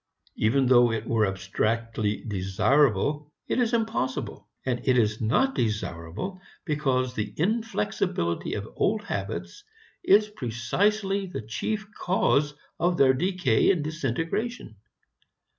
Even though it were abstractly desirable it is impossible. And it is not desirable because the inflexibility of old habits is precisely the chief cause of their decay and disintegration.